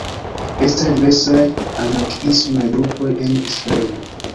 Estas diversaj anarkiismaj grupoj en Israelo.